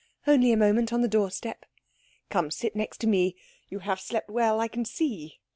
"Only a moment on the doorstep." "Come, sit next to me. You have slept well, I can see.